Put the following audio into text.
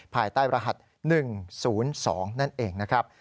ภายใต้รหัส๑๐๒นั่นเองนะครับ